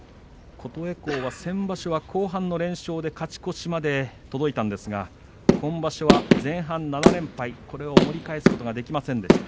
琴恵光は先場所後半の連勝で勝ち越しまで届いたんですが今場所は前半７連敗盛り返すことができませんでした。